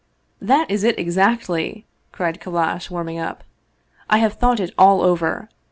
" That is it exactly !" cried Kallash, warming up. " I have thought it all over.